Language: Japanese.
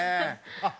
あっ